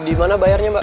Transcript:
di mana bayarnya mbak